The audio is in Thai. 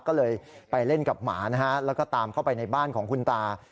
ก็เลยไปเล่นกับหมานะฮะแล้วก็ตามเข้าไปในบ้านของคุณตา